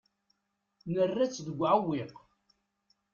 Nerra-t deg uɛewwiq.